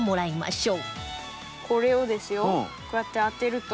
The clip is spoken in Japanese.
これをですよこうやって当てると。